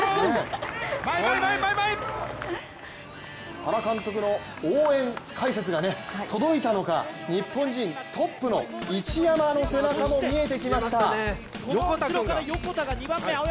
原監督の応援解説がね届いたのか、日本人トップの市山の背中も見えてきました。